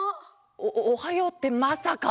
おおはようってまさか！？